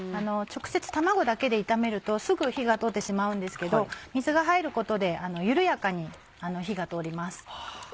直接卵だけで炒めるとすぐ火が通ってしまうんですけど水が入ることで緩やかに火が通ります。